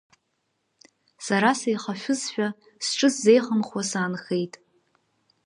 Сара сеихашәызшәа, сҿы сзеихымхуа саанхеит.